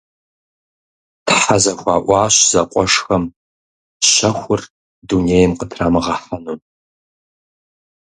Тхьэ зэхуаӀуащ зэкъуэшхэм щэхур дунейм къытрамыгъэхьэну.